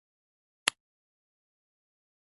په دې خود غرضه نړۍ کښې